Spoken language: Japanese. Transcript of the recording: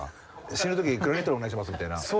「死ぬ時クラリネットでお願いします」みたいな。